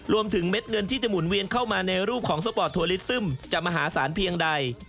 เม็ดเงินที่จะหมุนเวียนเข้ามาในรูปของสปอร์ตทัวลิสตึ้มจะมหาศาลเพียงใด